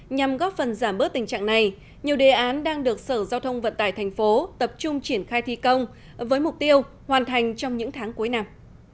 nhằm góp phần giảm bớt tình trạng này nhiều đề án đang được sở giao thông vận tải thành phố tập trung triển khai thi công với mục tiêu hoàn thành trong những tháng cuối năm